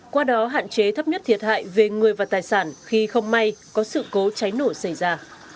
qua đó hạn chế thấp nhất thiệt hại về người và tài sản khi không may có sự cố cháy nổ xảy ra